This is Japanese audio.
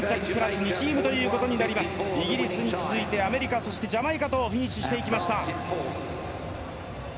イギリスに続いてアメリカ、ジャマイカとフィニッシュしていきました。